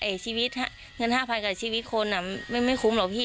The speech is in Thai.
เอ่ยชีวิตเงินห้าพันกับชีวิตคนน่ะไม่คุ้มหรอกพี่